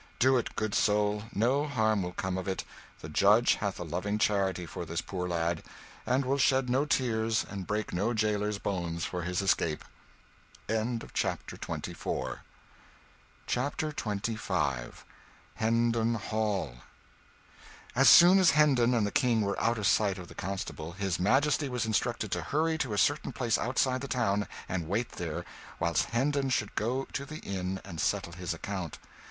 "Do it, good soul, no harm will come of it; the judge hath a loving charity for this poor lad, and will shed no tears and break no jailer's bones for his escape." CHAPTER XXV. Hendon Hall. As soon as Hendon and the King were out of sight of the constable, his Majesty was instructed to hurry to a certain place outside the town, and wait there, whilst Hendon should go to the inn and settle his account.